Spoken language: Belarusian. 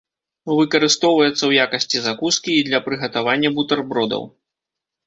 Выкарыстоўваецца ў якасці закускі і для прыгатавання бутэрбродаў.